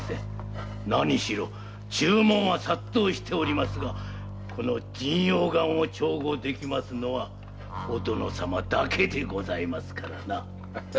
何しろ注文は殺到しておりますがこの神陽丸を調合できますのはお殿様だけでございますから。